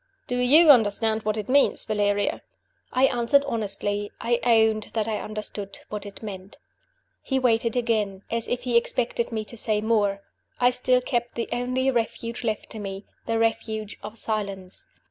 "Do you understand what it means, Valeria?" I answered honestly I owned that I understood what it meant. He waited again, as if he expected me to say more. I still kept the only refuge left to me the refuge of silence.